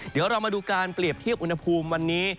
เดี๋ยวเรามาดูการเปรียบเทียบอุณหภูมิวันนี้